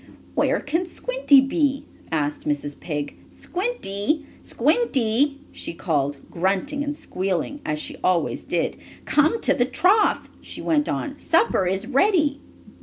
"Why, where can Squinty be?" asked Mrs. Pig. "Squinty! Squinty!" she called, grunting and squealing as she always did. "Come to the trough!" she went on. "Supper is ready!"